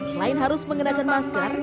selain harus mengenakan masker